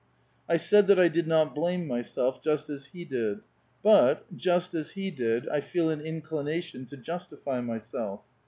I said that 1 did not blame myself, just as he did. But, just as he did, I feel an inclination to justify myself.